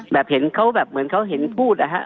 แบบเห็นเขาแบบเหมือนเขาเห็นพูดนะฮะ